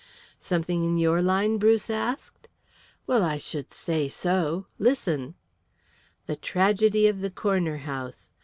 "Something in your line?" Bruce asked. "Well, I should say so. Listen:" "'The Tragedy of the Corner House.'"